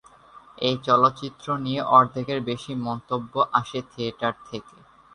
এই চলচ্চিত্র নিয়ে অর্ধেকের বেশি মন্তব্য আসে থিয়েটার থেকে।